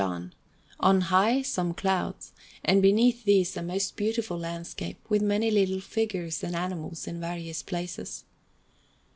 John, on high some clouds, and beneath these a most beautiful landscape, with many little figures and animals in various places.